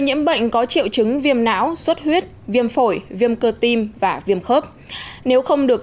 nhiễm bệnh có triệu chứng viêm não xuất huyết viêm phổi viêm cơ tim và viêm khớp nếu không được